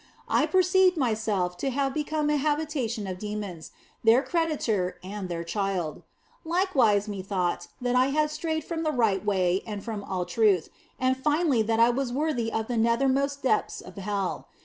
I perceived myself to have become an habitation of demons, their creditor and their child. Likewise methought that I had strayed from the right way and from all truth, and finally 1 8 THE BLESSED ANGELA that I was worthy of the nethermost depths of hell.